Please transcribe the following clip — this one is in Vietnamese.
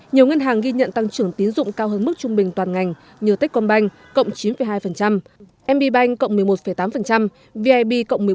nhiều ngân hàng ghi nhận tăng trưởng tiến dụng cao hơn mức trung bình toàn ngành như tết quân banh cộng chín hai mb banh cộng một mươi một tám vip cộng một mươi bốn hai